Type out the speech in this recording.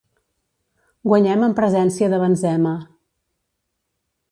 Guanyem en presència de Benzema.